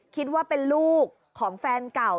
คิดว่าเป็นลูกของแฟนเก่า